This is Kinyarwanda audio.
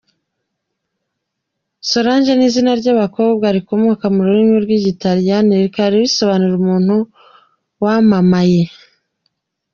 Solange ni izina ry’abakobwa rikomoka ku rurimi rw’Ikilatini rikaba risobanura “umuntu wamamaye”.